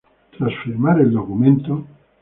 Tras firmar el documento.